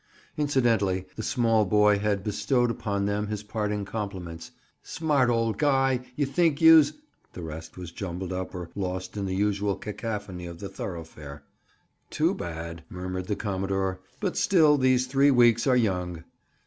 Incidentally, the small boy had bestowed upon them his parting compliments: "Smart old guy! You think youse—" The rest was jumbled up or lost in the usual cacophony of the thoroughfare. "Too bad!" murmured the commodore. "But still these three weeks are young."